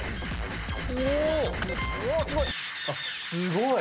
すごい！